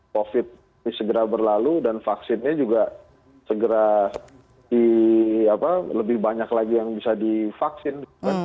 covid ini segera berlalu dan vaksinnya juga segera lebih banyak lagi yang bisa divaksin